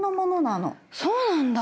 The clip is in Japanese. そうなんだ。